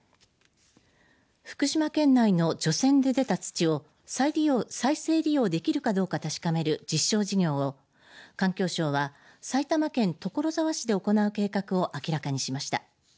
福島県内の除染で出た土を再生利用できるかどうか確かめる実証事業を環境相は埼玉県所沢市で行う計画を明らかにしました。